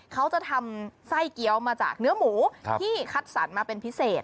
เขาจะทำไส้เกี้ยวมาจากเนื้อหมูที่คัดสรรมาเป็นพิเศษ